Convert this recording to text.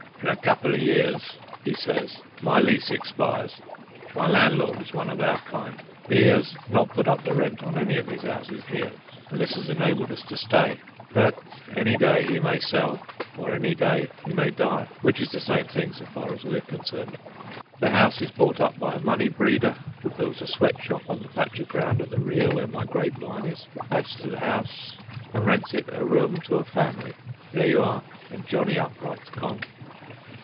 "In a couple of years," he says, "my lease expires. My landlord is one of our kind. He has not put up the rent on any of his houses here, and this has enabled us to stay. But any day he may sell, or any day he may die, which is the same thing so far as we are concerned. The house is bought by a money breeder, who builds a sweat shop on the patch of ground at the rear where my grapevine is, adds to the house, and rents it a room to a family. There you are, and Johnny Upright's gone!"